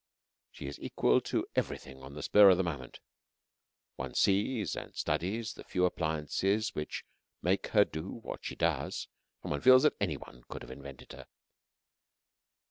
She is equal to everything on the spur of the moment. One sees and studies the few appliances which make her do what she does, and one feels that any one could have invented her.